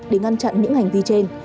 để ngăn chặn những hành vi trên